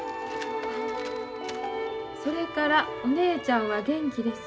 「それからお姉ちゃんは元気です」。